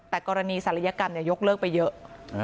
แต่กรณีศัลยกรรมยกเลิกไปเยอะ